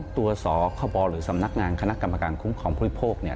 ๒ตัวสอข้อบรหรือสำนักงานคณะกรรมการคุ้มของผู้บริโภคเนี่ย